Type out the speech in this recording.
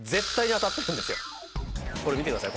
これ見てください